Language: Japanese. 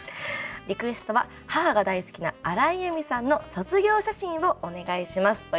「リクエストは母が大好きな荒井由実さんの『卒業写真』をお願いします」。